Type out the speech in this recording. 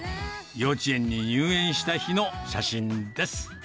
幼稚園に入園した日の写真です。